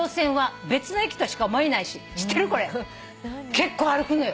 結構歩くのよ。